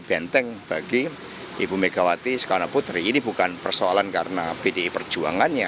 benteng bagi ibu megawati soekarno putri ini bukan persoalan karena pdi perjuangannya